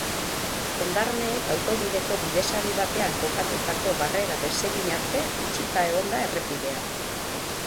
Jendarmeek autobideko bidesari batean kokatutako barrera desegin arte itxita egon da errepidea.